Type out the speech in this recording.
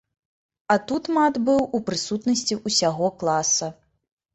А тут мат быў у прысутнасці ўсяго класа.